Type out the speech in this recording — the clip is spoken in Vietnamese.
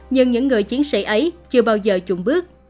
nhưng những người chiến sĩ ấy chưa bao giờ trụn bước